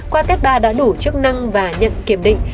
qua tết ba đã đủ chức năng và nhận kiểm định